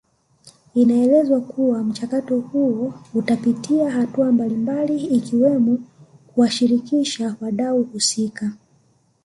Inaelezwa kuwa mchakato huo utapitia hatua mbalimbali ikiwemo kuwashirikisha wadau husika